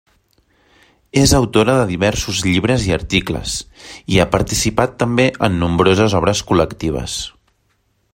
És autora de diversos llibres i articles, i ha participat també en nombroses obres col·lectives.